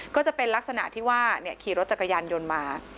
ก็จะเป็นลักษณะที่ว่าขี่รถจักรยานยนต์มา